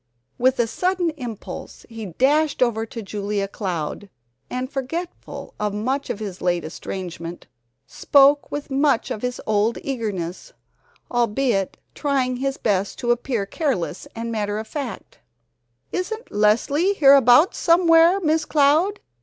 With a sudden impulse he dashed over to Julia Cloud, and forgetful of his late estrangement spoke with much of his old eagerness; albeit trying his best to appear careless and matter of fact: "Isn't Leslie hereabouts somewhere, Miss Cloud?